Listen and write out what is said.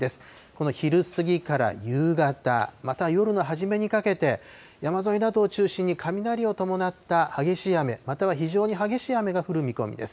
この昼過ぎから夕方、また夜の初めにかけて、山沿いなどを中心に雷を伴った激しい雨、または非常に激しい雨が降る見込みです。